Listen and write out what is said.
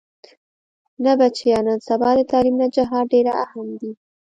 نه بچيه نن سبا د تعليم نه جهاد ډېر اهم دې.